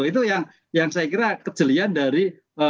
itu yang saya kira kejelian dari